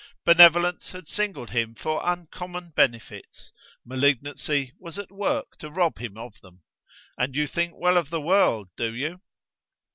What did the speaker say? Benevolence had singled him for uncommon benefits: malignancy was at work to rob him of them. And you think well of the world, do you!